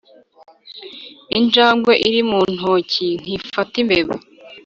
injangwe iri mu ntoki ntifata imbeba.